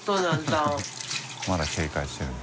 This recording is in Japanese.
まだ警戒してるね。